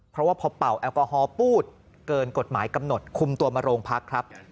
เพราะว่าพอเป่าแอลกอฮอลปูดเกินกฎหมายกำหนดคุมตัวมาโรงพักครับ